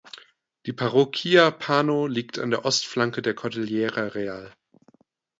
Die Parroquia Pano liegt an der Ostflanke der Cordillera Real.